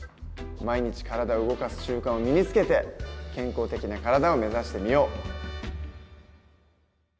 毎日体を動かす習慣を身につけて健康的な体を目指してみよう。